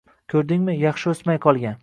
Ko‘rdingmi, yaxshi o‘smay qolgan.